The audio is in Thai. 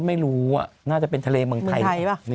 ไม่รู้น่าจะเป็นทะเลเมืองไทยป่ะ